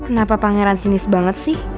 kenapa pangeran sinis banget sih